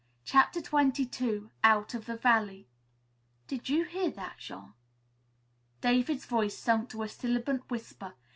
CHAPTER XXII OUT OF THE VALLEY "Did you hear that, Jean?" David's voice sunk to a sibilant whisper.